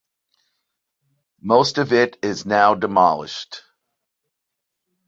Most of it is now demolished.